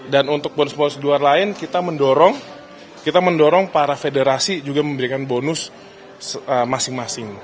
dan untuk bonus bonus luar lain kita mendorong para federasi juga memberikan bonus masing masing